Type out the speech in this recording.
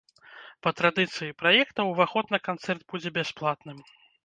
Па традыцыі праекта ўваход на канцэрт будзе бясплатным.